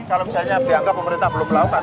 kalau misalnya dianggap pemerintah belum melakukan